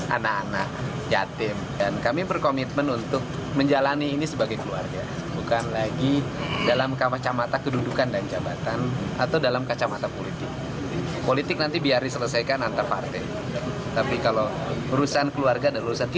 rencananya kedua calon yang belum menentukan siapa yang berposisi sebagai cagup dan cawagup tersebut akan mendeklarasikan maju di kontestasi pilgub jawa barat periode dua ribu delapan belas dua ribu dua puluh tiga pada sembilan januari mendatang